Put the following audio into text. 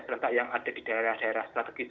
seletak yang ada di daerah daerah strategis